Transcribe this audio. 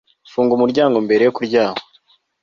Funga umuryango mbere yo kuryama